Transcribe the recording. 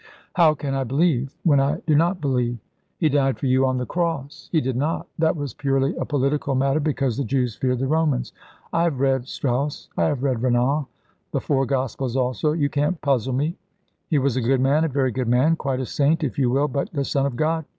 "How can I believe, when I do not believe?" "He died for you on the Cross." "He did not. That was purely a political matter because the Jews feared the Romans. I have read Strauss; I have read Renan; the four Gospels also: you can't puzzle me. He was a good man, a very good man quite a saint, if you will. But the Son of God?"